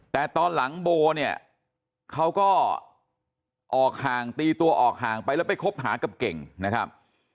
แต่ตอนหลังโบเนี่ยเขาก็ออกห่างตีตัวออกห่างไปแล้วไปคบหากับเก่งนะครับ